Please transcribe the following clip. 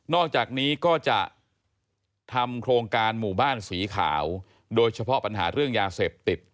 อกจากนี้ก็จะทำโครงการหมู่บ้านสีขาวโดยเฉพาะปัญหาเรื่องยาเสพติด